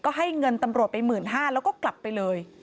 ก็ให้เงินตำรวจไป๑๕๐๐แล้วก็กลับไปเลย